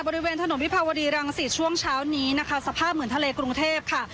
บริเวณถนนวิภาวดีรังสิตช่วงเช้านี้นะคะสภาพเหมือนทะเลกรุงเทพค่ะ